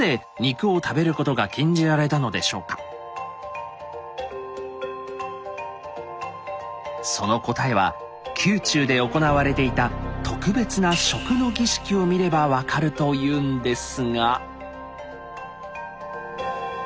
それにしてもその答えは宮中で行われていた特別な食の儀式を見れば分かるというんですが。